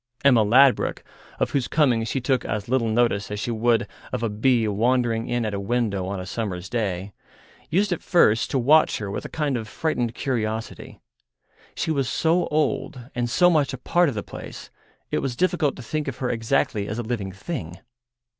Emma Ladbruk, of whose coming she took as little notice as she would of a bee wandering in at a window on a summer's day, used at first to watch her with a kind of frightened curiosity. She was so old and so much a part of the place, it was difficult to think of her exactly as a living thing.